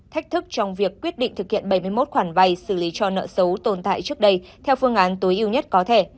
thách thức trong việc quyết định thực hiện bảy mươi một khoản vay xử lý cho nợ xấu tồn tại trước đây theo phương án tối ưu nhất có thể